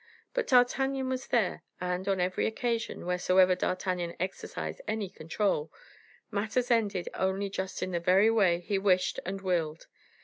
But D'Artagnan was there, and, on every occasion, wheresoever D'Artagnan exercised any control, matters ended only just in the very way he wished and willed.